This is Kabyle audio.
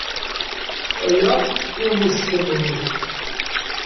Aya i ummesten-nnek.